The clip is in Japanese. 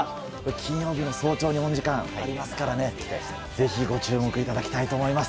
金曜日の早朝日本時間ありますからぜひご注目いただきたいと思います。